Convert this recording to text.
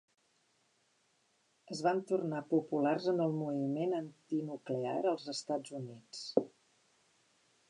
Es van tornar populars en el moviment antinuclear als Estats Units.